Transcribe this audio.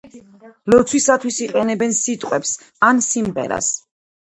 ლოცვისათვის იყენებენ სიტყვებს ან სიმღერას.